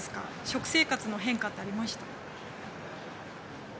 食生活の変化ってありました？